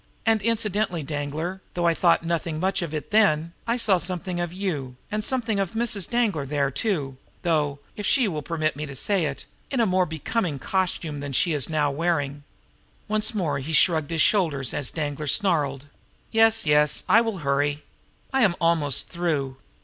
And, incidentally, Danglar, though I thought nothing much of it then, I saw something of you; and something of Mrs. Danglar there, too, though if she will permit me to say it in a more becoming costume than she is now wearing!" Once more he shrugged his shoulders as Danglar snarled. "Yes, yes; I will hurry. I am almost through.